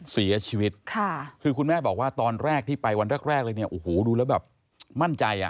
เสียชีวิตค่ะคือคุณแม่บอกว่าตอนแรกที่ไปวันแรกแรกเลยเนี่ยโอ้โหดูแล้วแบบมั่นใจอ่ะ